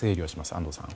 安藤さん。